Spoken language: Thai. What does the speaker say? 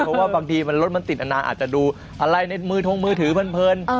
เพราะว่าบางทีรถมันติดอนาอาจจะดูอะไรในมือทงมือถือเพลิน